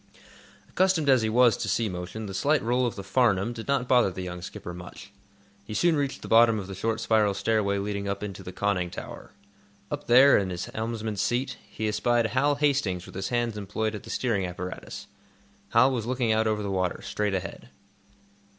Accustomed as he was to sea motion, the slight roll of the "Farnum" did not bother the young skipper much. He soon reached the bottom of the short spiral stairway leading up into the conning tower. Up there, in the helmsman's seat, he espied Hal Hastings with his hands employed at the steering apparatus. Hal was looking out over the water, straight ahead.